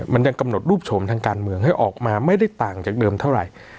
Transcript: มันยังกำหนดรูปโฉมทางการเมืองให้ออกมาไม่ได้ต่างจากเดิมเท่าไหร่